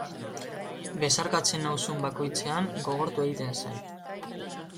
Besarkatzen nauzun bakoitzean gogortu egiten zait.